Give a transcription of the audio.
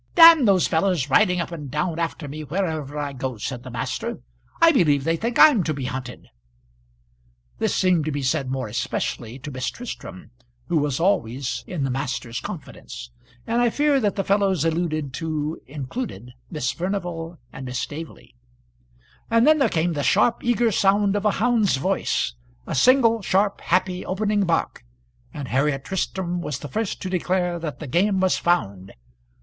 "D those fellows riding up and down after me wherever I go," said the master. "I believe they think I'm to be hunted." This seemed to be said more especially to Miss Tristram, who was always in the master's confidence; and I fear that the fellows alluded to included Miss Furnival and Miss Staveley. And then there came the sharp, eager sound of a hound's voice; a single, sharp, happy opening bark, and Harriet Tristram was the first to declare that the game was found.